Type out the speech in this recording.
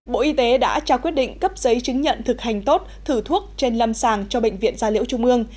bộ y tế đã trao quyết định cấp giấy chứng nhận thực hành tốt thử thuốc trên lâm sàng cho bệnh viện gia liễu trung ương